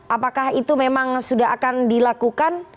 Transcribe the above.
apakah itu memang sudah akan dilakukan